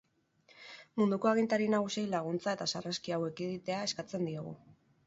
Munduko agintari nagusiei laguntza eta sarraski hau ekiditea eskatzen diegu.